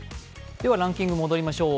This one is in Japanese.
ランキング戻りましょう。